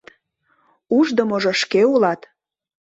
Ушдымыжо шке улат!